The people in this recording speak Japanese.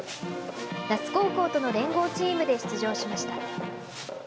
那須高校との連合チームで出場しました。